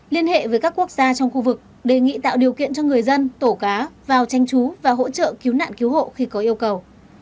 liên hệ với các quốc gia trong khu vực đề nghị tạo điều kiện cho người dân tổ cá vào tranh trú và hỗ trợ cứu nạn cứu hộ khi có yêu cầu